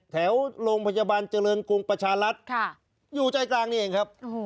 แถวโรงพยาบาลเจริญกรุงประชารัฐอยู่ใจกลางนี่เองครับ